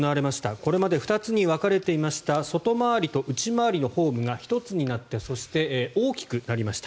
これまで２つに分かれていました外回りと内回りのホームが１つになってそして、大きくなりました。